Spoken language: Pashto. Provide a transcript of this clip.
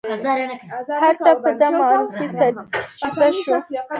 هلته به دا معرفي سرچپه شوه.